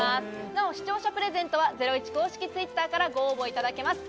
なお視聴者プレゼントはゼロイチ公式Ｔｗｉｔｔｅｒからご応募いただけます。